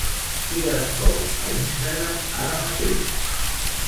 Què es cou a Instagram ara mateix?